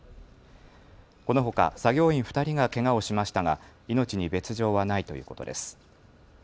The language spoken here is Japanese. このほか作業員２人がけがをしましたが命に別状はないということです。